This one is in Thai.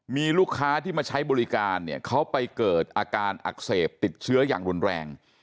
มีลูกค้าที่มาใช้บริการเนี่ยเขาไปเกิดอาการอักเสบติดเชื้ออย่างรุนแรง